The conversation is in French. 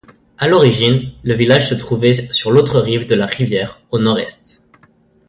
À l'origine, le village se trouvait sur l'autre rive de la rivière, au nord-est.